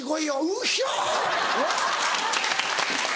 「うっひょ！」。